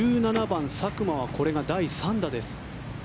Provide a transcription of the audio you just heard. １７番佐久間はこれが第３打です。